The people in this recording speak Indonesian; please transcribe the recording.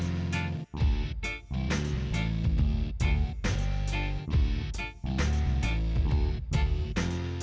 ini seperti gimna sih